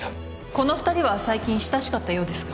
この２人は最近親しかったようですが